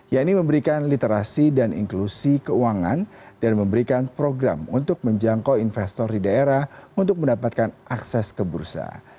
yaitu memberikan literasi dan inklusi keuangan dan memberikan program untuk menjangkau investor di daerah untuk mendapatkan akses ke bursa